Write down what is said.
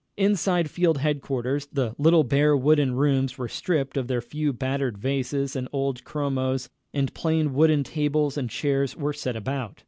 Inside Field Headquarters, the little bare wooden rooms were stripped of their few battered vases and old chromos, and plain wooden tables and chairs were set about.